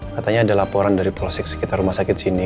katanya ada laporan dari polsek sekitar rumah sakit sini